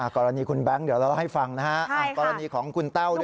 กรณีคุณแบงค์เดี๋ยวเราเล่าให้ฟังนะฮะกรณีของคุณแต้วด้วย